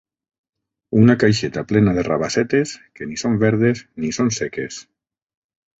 Una caixeta plena de rabassetes que ni són verdes ni són seques.